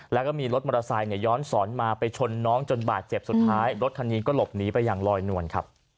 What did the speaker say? แล้วก็มีรถมอเตอร์ไซค์ย้อนสอนมาไปชนน้องจนบาดเจ็บสุดท้ายรถคันนี้ก็หลบหนีไปอย่างลอยนวลครับ